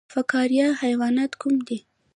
فقاریه حیوانات کوم دي؟